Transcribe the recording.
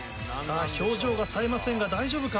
表情がさえませんが大丈夫か？